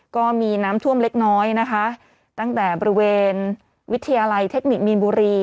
ก็มีน้ำท่วมเล็กน้อยนะคะตั้งแต่บริเวณวิทยาลัยเทคนิคมีนบุรี